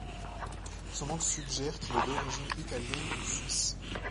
Son nom suggère qu’il est d’origine italienne ou suisse.